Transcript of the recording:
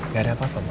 gak ada apa apa ma